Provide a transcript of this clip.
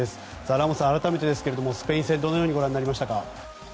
ラモスさん、改めてスペイン戦どのようにご覧になりましたか？